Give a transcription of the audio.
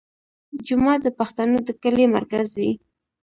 جومات د پښتنو د کلي مرکز وي.